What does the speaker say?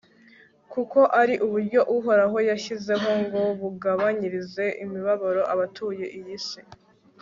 kuko ari uburyo uhoraho yashyizeho ngo bugabanyirize imibabaro abatuye iyi si